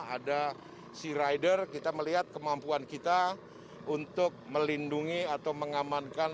ada sea rider kita melihat kemampuan kita untuk melindungi atau mengamankan